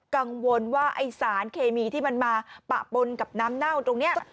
กังวลว่าไอ้สารเคมีที่มันมาปะปนกับน้ำเน่าตรงนี้